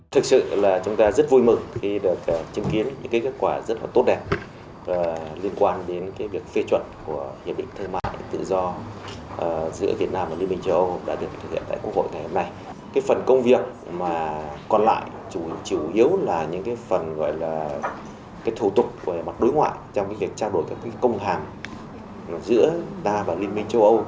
thủ tục đối ngoại trong việc trao đổi công hàng giữa đàm và liên minh châu âu